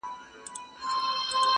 شهادت د حماقت يې پر خپل ځان كړ!!